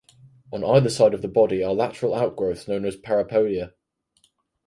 On either side of the body are lateral outgrowths known as parapodia.